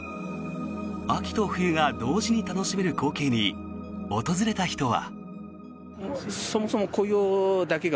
秋と冬が同時に楽しめる光景に訪れた人は。